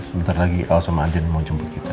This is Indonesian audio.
sebentar lagi al sama aden mau jemput kita